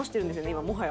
今もはや。